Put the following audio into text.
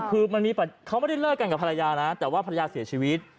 คือเขาไม่ได้เลิกกันกับภรรยานะแต่ว่าภรรยาเสียชีวิต